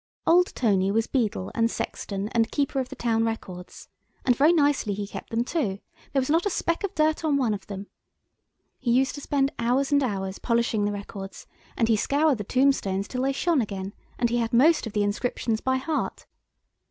Old Tony was beadle and sexton and keeper of the town records; and very nicely he kept them too. There was not a speck of dirt on one of them. He used to spend hours and hours polishing the records, and he scoured the tombstones till they shone again; and he had most of the inscriptions by heart.